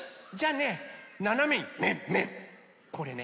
これね。